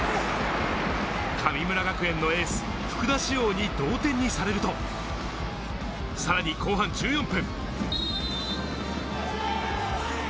神村学園のエース・福田師王に同点にされると、さらに、後半１４分。